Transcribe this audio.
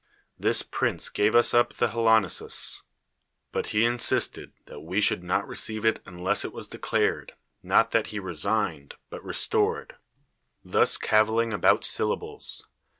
This prince gave us up the Halonesus; but he insisted that we should not receive it unless it was declared, not that he resigned, but restored — thus caviling about syllables.